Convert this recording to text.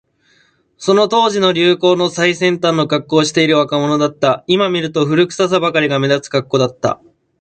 その当時の流行の最先端のカッコをしている若者だった。今見ると、古臭さばかりが目立つカッコだった。